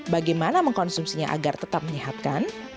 bagaimana mengkonsumsinya agar tetap menyehatkan